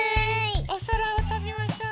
おそらをとびましょう。